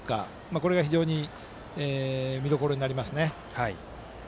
これが非常に見どころになります。